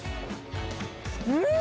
うん！